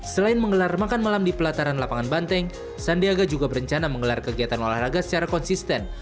selain menggelar makan malam di pelataran lapangan banteng sandiaga juga berencana menggelar kegiatan olahraga secara konsisten